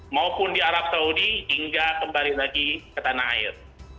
maupun di arab saudi hingga kembali lagi ke tanah air